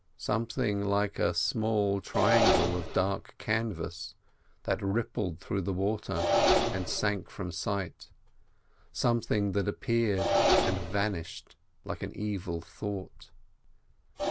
Something like a small triangle of dark canvas, that rippled through the water and sank from sight; something that appeared and vanished like an evil thought.